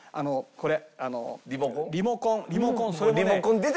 「これ」。